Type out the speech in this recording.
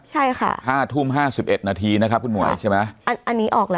ใช่ค่ะห้าทุ่มห้าสิบเอ็ดนาทีนะครับคุณหมวยใช่ไหมอันนี้ออกแล้ว